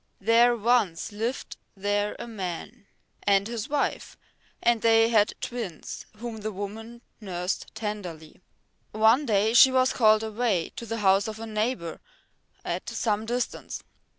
There once lived there a man and his wife, and they had twins whom the woman nursed tenderly. One day she was called away to the house of a neighbour at some distance.